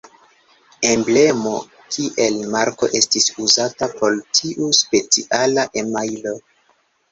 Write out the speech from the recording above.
La emblemo kiel marko estis uzata por tiu speciala emajlo.